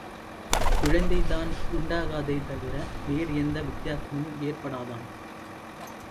குழந்தைதான் உண்டாகாதே தவிர வேறு எந்த வித்தியாசமும் ஏற்படாதாம்.